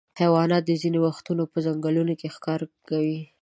حیوانات ځینې وختونه په ځنګلونو کې ښکار کوي.